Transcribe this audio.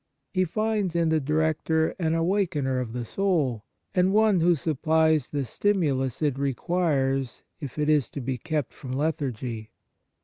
He finds in the director an awakener of the soul, and one who supplies the stimulus it requires, if 103 On the Exercises of Piety it is to be kept from lethargy.